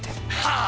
はあ！？